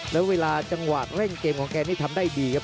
แล้วเวลาจังหวะเร่งเกมของแกนี่ทำได้ดีครับ